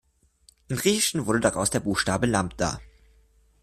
Im Griechischen wurde daraus der Buchstabe Lambda.